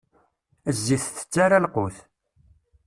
Zzit tettara lqut.